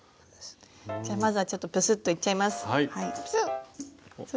じゃまずはちょっとプスッといっちゃいます。